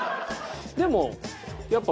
でも。